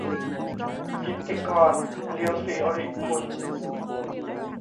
กิตติกร เลียวศิริกุล